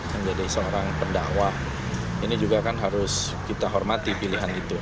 menjadi seorang pendakwah ini juga kan harus kita hormati pilihan itu